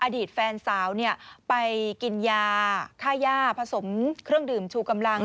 อดีตแฟนสาวไปกินยาค่าย่าผสมเครื่องดื่มชูกำลัง